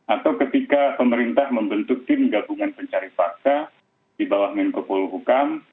atau ketika pemerintah membentuk tim gabungan pencari fakta di bawah menko poluhukam